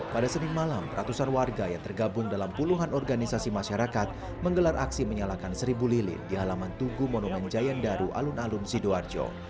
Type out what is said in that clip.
pada senin malam ratusan warga yang tergabung dalam puluhan organisasi masyarakat menggelar aksi menyalakan seribu lilin di halaman tugu monong jayan daru alun alun sidoarjo